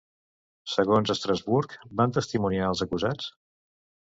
Segons Estrasburg, van testimoniar els acusats?